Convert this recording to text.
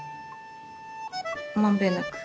まんべんなく。